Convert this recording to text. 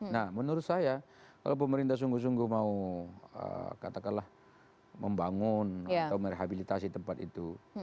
nah menurut saya kalau pemerintah sungguh sungguh mau katakanlah membangun atau merehabilitasi tempat itu